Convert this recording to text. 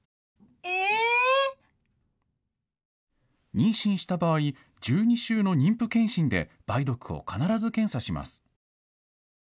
妊娠した場合、１２週の妊婦健診で梅毒を必ず検査します。